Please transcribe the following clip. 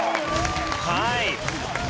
はい。